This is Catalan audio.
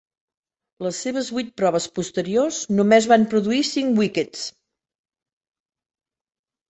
Les seves vuit proves posteriors només van produir cinc wickets.